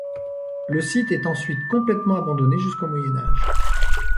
Le site est ensuite complètement abandonné jusqu'au Moyen Âge.